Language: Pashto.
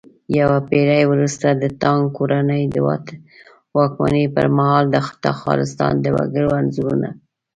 يوه پېړۍ وروسته د تانگ کورنۍ د واکمنۍ پرمهال د تخارستان د وگړو انځورونه